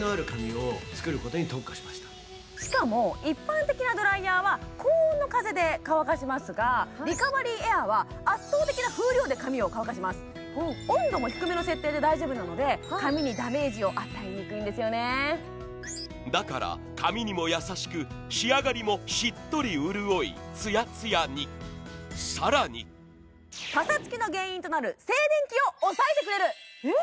一般的なドライヤーは高温の風で乾かしますがリカバリーエアーは温度も低めの設定で大丈夫なのでだから髪にも優しく仕上がりもしっとり潤いツヤツヤにさらにぱさつきの原因となる静電気を抑えてくれるえっ？